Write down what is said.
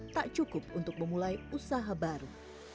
tak cukup untuk memulai usaha baru